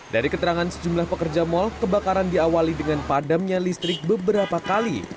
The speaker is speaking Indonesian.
dari keterangan sejumlah pekerja mal kebakaran diawali dengan padamnya listrik beberapa kali